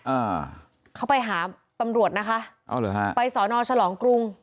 อ่าเขาไปหาตำรวจนะคะเอาเหรอฮะไปสอนอฉลองกรุง